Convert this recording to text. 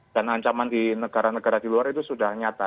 dan ancaman di negara negara di luar itu sudah nyata